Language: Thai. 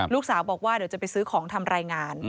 ลูกสาวบอกว่าเดี๋ยวจะไปซื้อของทำรายงาน